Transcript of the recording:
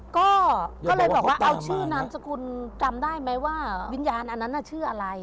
ก็เลยบอกว่าเอาชื่อนามสกุลจำได้ไหมว่าวิญญาณอันนั้นน่ะชื่ออะไร